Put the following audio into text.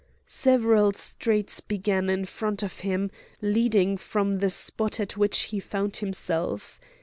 Several streets began in front of him, leading from the spot at which he found himself.